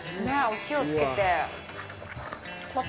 お塩つけて。